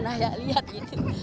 nah ya lihat gitu